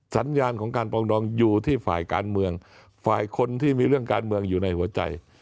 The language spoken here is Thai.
สัญญาณของการปรองดองอยู่ที่ฝ่ายการเมืองฝ่ายคนที่มีเรื่องการเมืองอยู่ในหัวใจ